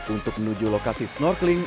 untuk menuju lokasi snorkeling